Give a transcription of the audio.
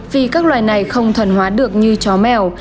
vì các loài này không thuần hóa được như chó mèo